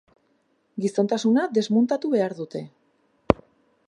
Gizontasuna desmuntatu behar dute.